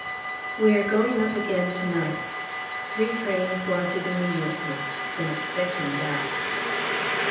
We are going up again to night. "Three trains wanted immediately" been expecting that.